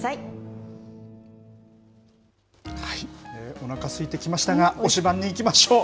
おなかすいてきましたが、推しバン！にいきましょう。